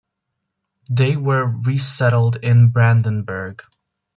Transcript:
They were resettled in Brandenburg.